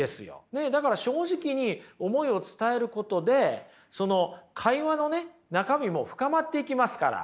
だから正直に思いを伝えることでその会話のね中身も深まっていきますから。